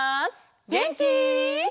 げんき？